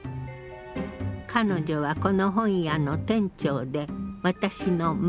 彼女はこの本屋の店長で私の孫。